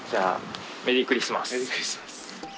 メリークリスマス。